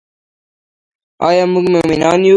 آیا موږ مومنان یو؟